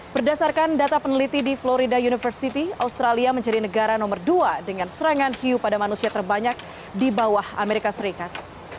berdasarkan data peneliti di florida university australia menjadi negara nomor dua dengan serangan hiu pada manusia terbanyak di bawah amerika serikat